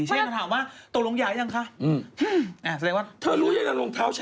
ใช่แต่ถามว่าตกลงใหญ่หรือยังคะ